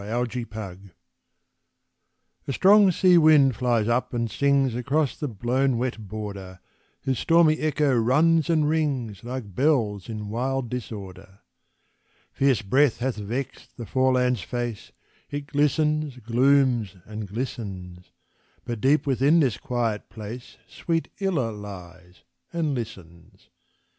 Illa Creek A strong sea wind flies up and sings Across the blown wet border, Whose stormy echo runs and rings Like bells in wild disorder. Fierce breath hath vexed the foreland's face, It glistens, glooms, and glistens; But deep within this quiet place Sweet Illa lies and listens.